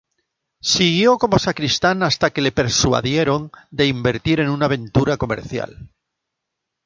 Siguió como sacristán hasta que le persuadieron de invertir en una aventura comercial.